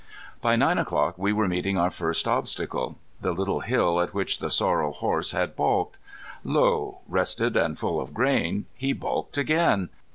By nine o'clock we were meeting our first obstacle the little hill at which the sorrel horse had balked. Lo! rested and full of grain, he balked again!